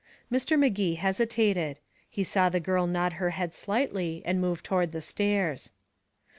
Mr. Magee hesitated. He saw the girl nod her head slightly, and move toward the stairs.